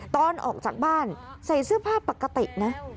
ตอนออกจากบ้านใส่เสื้อผ้าปกตินะ